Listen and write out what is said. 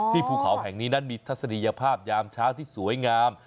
ภูเขาแห่งนี้นั้นมีทัศนียภาพยามเช้าที่สวยงาม